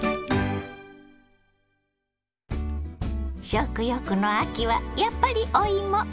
食欲の秋はやっぱりお芋！